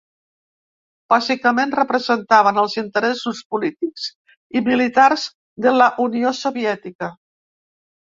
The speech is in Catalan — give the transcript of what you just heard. Bàsicament, representaven els interessos polítics i militars de la Unió Soviètica.